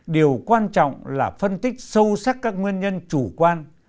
điều quan trọng là phân tích sâu sắc các nguyên nhân chủ quan